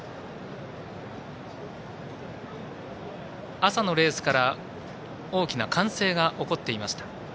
朝のレースから大きな歓声が起こっていました。